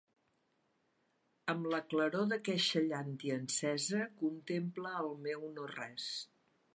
Amb la claror d'aqueixa llàntia encesa contemple el meu no-res.